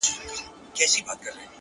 o چي له بې ميني ژونده،